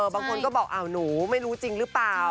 บางคนก็บอกหนูไม่รู้จริงหรือเปล่า